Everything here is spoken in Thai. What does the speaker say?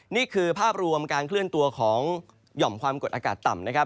นี่คือภาพรวมการเคลื่อนตัวของหย่อมความกดอากาศต่ำนะครับ